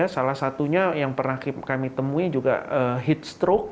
salah satunya yang pernah kami temui juga heat stroke